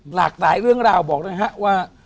หลากหลายเรื่องราวบอกนะฮะว่า